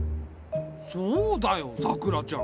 そうだよさくらちゃん。